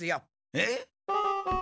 えっ？